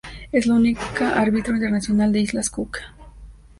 Es la única árbitro internacional de Islas Cook.